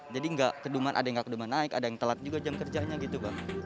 nggak keduman ada yang nggak keduman naik ada yang telat juga jam kerjanya gitu pak